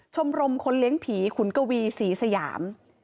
ชมรมคนเลี้ยงผีขุนกวีศรีสยาม